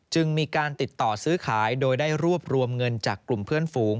จึงมีการติดต่อซื้อขายโดยได้รวบรวมเงินจากกลุ่มเพื่อนฝูง